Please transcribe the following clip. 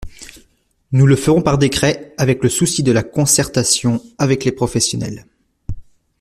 Nous le ferons par décret, avec le souci de la concertation avec les professionnels.